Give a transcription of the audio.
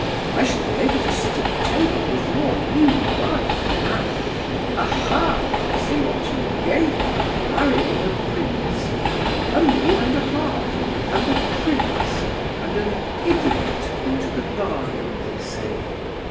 I shall be able to sit at table with your new wife, now. Aha! you see what I gain by marrying a prince! A million and a half, and a prince, and an idiot into the bargain, they say.